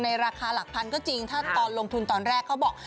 ราคาหลักพันก็จริงถ้าตอนลงทุนตอนแรกเขาบอก